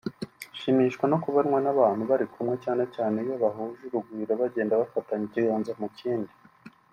bashimishwa no kubonwa n’abantu barikumwe cyane cyane iyo bahuje urugwiro bagenda bafatanye ikiganza mu kindi